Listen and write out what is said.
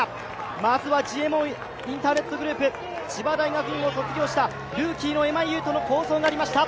まずはＧＭＯインターネットグループ千葉大学院を卒業したルーキーの今江勇人の好走がありました。